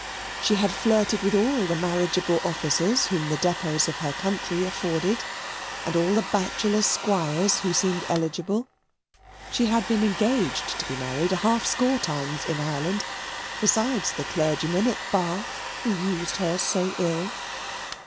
She had flirted with all the marriageable officers whom the depots of her country afforded, and all the bachelor squires who seemed eligible. She had been engaged to be married a half score times in Ireland, besides the clergyman at Bath who used her so ill.